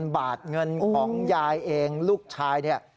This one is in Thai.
บาทเงินของยายเองลูกชายเนี่ย